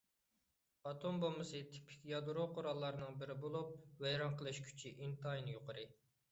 ئاتوم بومبىسى تىپىك يادرو قوراللارنىڭ بىرى بولۇپ، ۋەيران قىلىش كۈچى ئىنتايىن يۇقىرى.